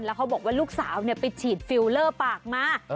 แล้วเขาบอกว่าลูกสาวไปฉีดฟิลเลอร์ปากมา